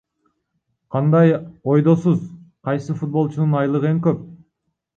Кандай ойдосуз, кайсы футболчунун айлыгы эң көп?